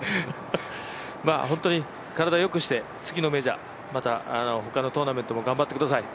本当に体をよくして、次のメジャー、また他のトーナメントも頑張ってください。